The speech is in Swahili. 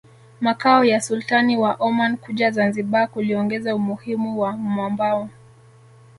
makao ya Sultani wa Oman kuja Zanzibar kuliongeza umuhimu wa mwambao